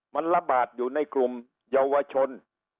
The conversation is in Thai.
มันระบาดอยู่ในกลุ่มเยาวชน